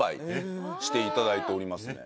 していただいておりますね。